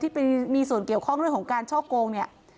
ที่มีส่วนเกี่ยวข้องด้วยของการช่อกลง